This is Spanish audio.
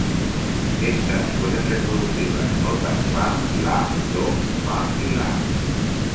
Estas pueden reproducir las notas fa, la, do, fa y la.